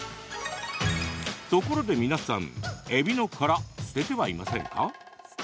ところで皆さん、えびの殻捨ててはいませんか？